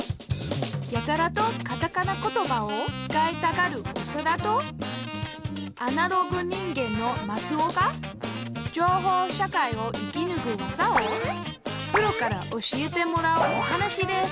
やたらとカタカナ言葉を使いたがるオサダとアナログ人間のマツオが情報社会を生きぬく技をプロから教えてもらうお話です